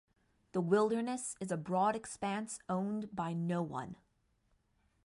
The Wilderness is a broad expanse owned by no one.